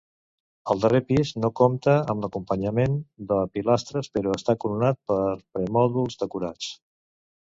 El darrer pis no compta amb l'acompanyament de pilastres però està coronat per permòdols decorats.